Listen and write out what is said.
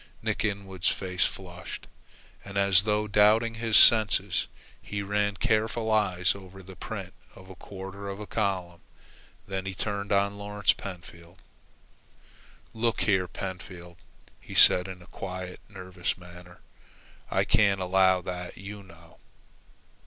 Nick Inwood's face flushed, and, as though doubting his senses, he ran careful eyes over the print of a quarter of a column. Then be turned on Lawrence Pentfield. "Look here, Pentfield," he said, in a quiet, nervous manner; "I can't allow that, you know."